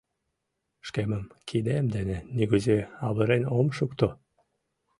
Шкемым кидем дене нигузе авырен ом шукто.